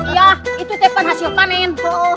ya itu tepan hasil panen